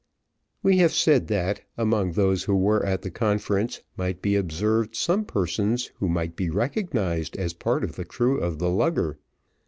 We have said that, among those who were at the conference, might be observed some persons who might be recognised as part of the crew of the lugger.